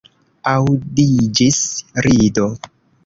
Aŭdiĝis rido.